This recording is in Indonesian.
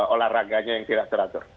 olahraganya yang tidak teratur